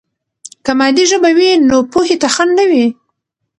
که مادي ژبه وي، نو پوهې ته خنډ نه وي.